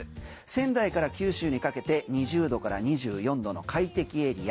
仙台から九州にかけて２０度から２４度の快適エリア。